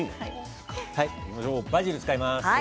バジルを使います。